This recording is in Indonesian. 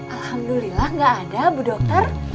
alhamdulillah gak ada bu dokter